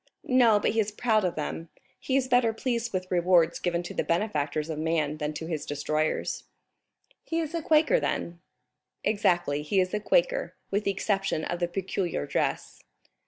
"No, but he is proud of them; he is better pleased with rewards given to the benefactors of man than to his destroyers." "He is a Quaker then?" "Exactly, he is a Quaker, with the exception of the peculiar dress."